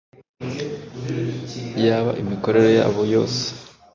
yaba imikorere y’abo yose